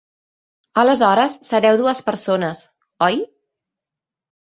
Aleshores sereu dues persones, oi?